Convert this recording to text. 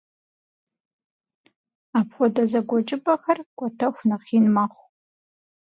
Апхуэдэ зэгуэкӏыпӏэхэр кӏуэтэху нэхъ ин мэхъу.